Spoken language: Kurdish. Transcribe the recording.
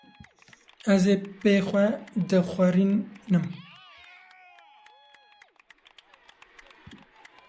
Ezê pê xwe di xwerî nim